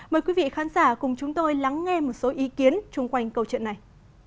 mời quý vị khán giả cùng chúng tôi lắng nghe một số ý kiến chung quanh câu chuyện này